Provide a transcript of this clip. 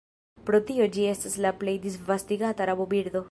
Pro tio ĝi estas la plej disvastigata rabobirdo.